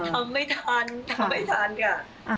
ทำไม่ทันทำไม่ทันค่ะ